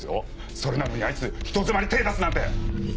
それなのにあいつ人妻に手出すなんて！